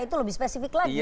itu lebih spesifik lagi